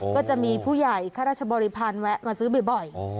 ก็จะมีผู้ใหญ่ข้าราชบริพันธ์แวะมาซื้อบ่อย